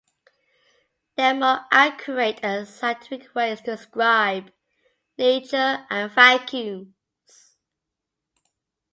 There are more accurate and scientific ways to describe nature and vacuums.